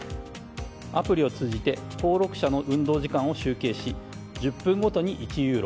アプリを通じて登録者の運動時間を集計し１０分ごとに１ユーロ